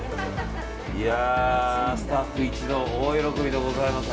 いやー、スタッフ一同大喜びでございます。